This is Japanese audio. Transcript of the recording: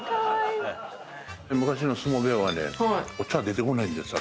昔の相撲部屋はねお茶出てこないんです。